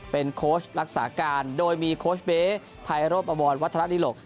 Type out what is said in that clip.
เป็นโค้ชรักษาการโดยมีโค้ชเบ๊ภายโรปบรรวมวัฒนธรรมนิหลก